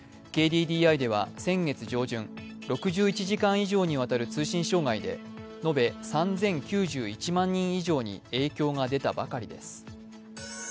ＫＤＤＩでは先月上旬、６１時間以上にわたる通信障害で延べ３０９１万人以上に影響が出たばかりです。